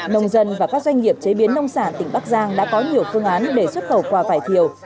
nông dân và các doanh nghiệp chế biến nông sản tỉnh bắc giang đã có nhiều phương án để xuất khẩu quả vải thiều